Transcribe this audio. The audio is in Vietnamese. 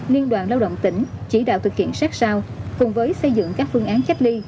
liên đoàn lao động tỉnh chỉ đạo thực hiện sát sao cùng với xây dựng các phương án cách ly